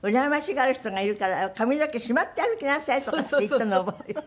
がる人がいるから髪の毛しまって歩きなさい」とかって言ったのを覚えて。